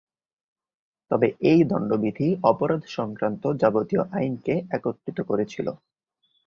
তবে এই দন্ড বিধি অপরাধ সংক্রান্ত যাবতীয় আইনকে একত্রিত করেছিল।